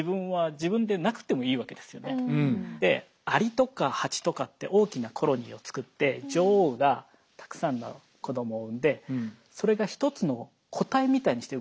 そもそもでアリとかハチとかって大きなコロニーを作って女王がたくさんの子供を産んでそれが一つの個体みたいにして動くんですよ。